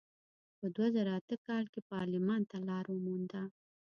په دوه زره اته کال کې پارلمان ته لار ومونده.